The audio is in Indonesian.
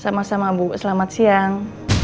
sama sama bu selamat siang